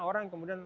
orang yang kemudian